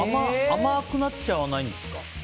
甘くなっちゃわないんですか。